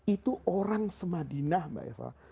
itu orang madinah mbak yusof